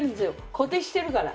固定してるから。